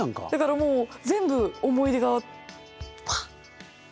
だからもう全部思い出がパ！